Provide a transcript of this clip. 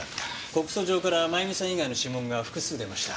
告訴状から真由美さん以外の指紋が複数出ました。